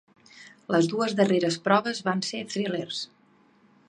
Les dues darreres proves van ser thrillers.